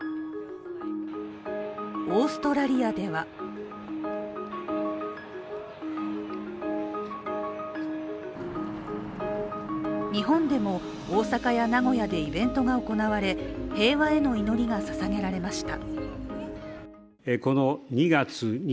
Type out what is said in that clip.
オーストラリアでは日本でも大阪や名古屋でイベントが行われ平和への祈りがささげられました。